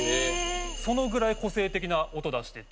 そのぐらい個性的な音出してて。